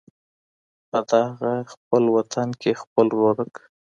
په دغه خپل وطن كي خپل ورورك